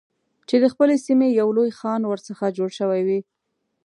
چې د خپلې سیمې یو لوی خان ورڅخه جوړ شوی وي.